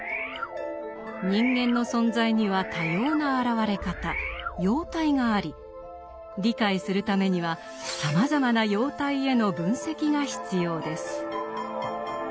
人間の存在には多様な現れ方「様態」があり理解するためにはさまざまな様態への分析が必要です。